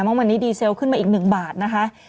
ว่าวันนี้ดีเซลขึ้นมาอีก๑บาทนะคะ